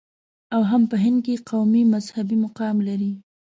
او هم په هند کې قوي مذهبي مقام لري.